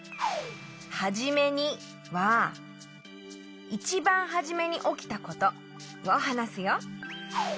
「はじめに」はいちばんはじめにおきたことをはなすよ。